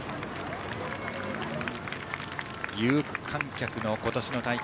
有観客の今年の大会。